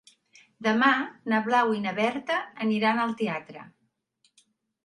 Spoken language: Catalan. Demà na Blau i na Berta aniran al teatre.